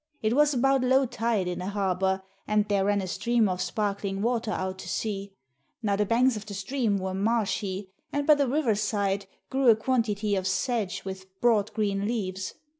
It was about low tide in the harbour, and there ran a stream of sparkling water out to sea. Now the banks of the stream were marshy, and by the river side grew a quantity of sedge with broad, green leaves.